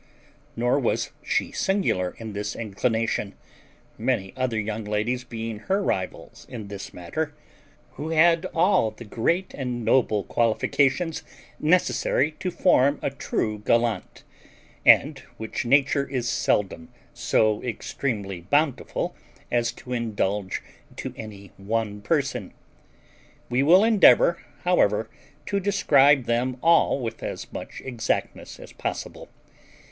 Nor was she singular in this inclination, many other young ladies being her rivals in this matter, who had all the great and noble qualifications necessary to form a true gallant, and which nature is seldom so extremely bountiful as to indulge to any one person. We will endeavour, however, to describe them all with as much exactness as possible.